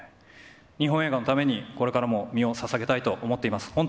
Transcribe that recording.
日本映画のために、これからも身をささげたいと思っています。